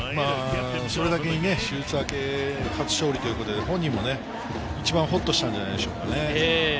それだけ手術明け、初勝利ということで本人も一番ほっとしたんじゃないでしょうかね。